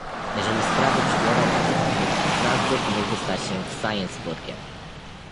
Jeżeli sprawy przybiorą taki obrót, Strassburg mógłby stać się "Scienceburgiem"